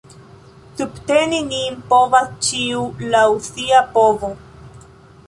Subteni nin povas ĉiu laŭ sia povo.